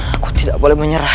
aku tidak boleh menyerah